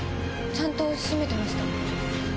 ちゃんと閉めてました。